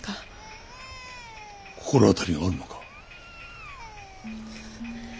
心当たりがあるのか？